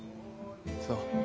そう。